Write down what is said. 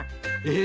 え！？